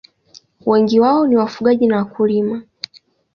Wengi wao ni wafugaji na wakulima.